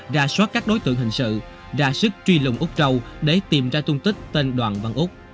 ra soát các đối tượng hình sự ra sức truy lùng úc châu để tìm ra tung tích tên đoàn văn úc